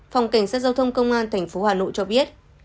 phòng cảnh sát giao thông công an tp hà nội cho biết